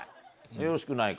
よろしくないか。